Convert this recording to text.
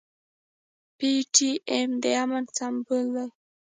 پي ټي ايم د امن سمبول دی.